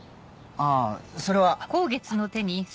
あぁそれは。